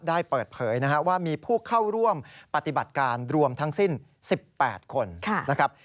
ได้เปิดเผยนะครับว่ามีผู้เข้าร่วมปฏิบัติการรวมทั้งสิ้น๑๘คนนะครับ